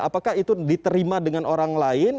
apakah itu diterima dengan orang lain